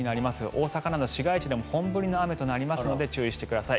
大阪など市街地でも本降りの雨となりますので注意してください。